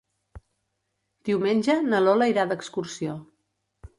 Diumenge na Lola irà d'excursió.